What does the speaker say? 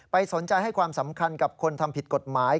สนใจให้ความสำคัญกับคนทำผิดกฎหมาย